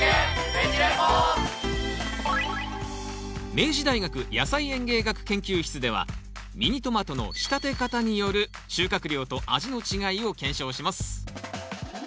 明治大学野菜園芸学研究室ではミニトマトの仕立て方による収穫量と味の違いを検証します。